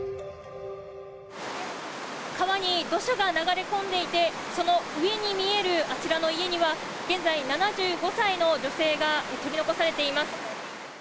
川に土砂が流れ込んでいてその上に見えるあちらの家には現在、７５歳の女性が取り残されています。